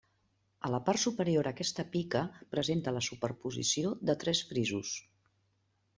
A la part superior aquesta pica presenta la superposició de tres frisos.